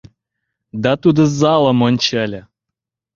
Да тудо залым ончале.